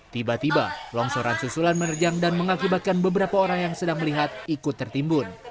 tiba tiba longsoran susulan menerjang dan mengakibatkan beberapa orang yang sedang melihat ikut tertimbun